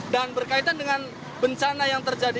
dan berkaitan dengan bencana yang terjadi